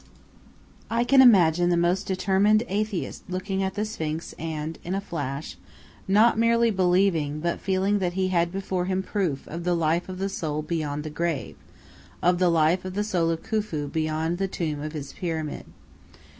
I can imagine the most determined atheist looking at the Sphinx and, in a flash, not merely believing, but feeling that he had before him proof of the life of the soul beyond the grave, of the life of the soul of Khufu beyond the tomb of his Pyramid.